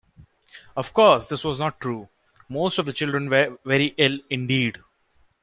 Of course this was not true, most of the children were very ill indeed.